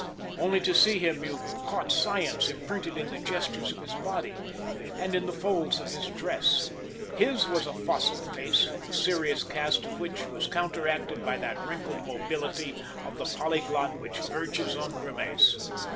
Only to see him you caught science imprinted in the gestures of his body and in the folds of his dress. His was a fossil face, the serious cast of which was counteracted by that wrinkled mobility of the polyglot which verges on grimace.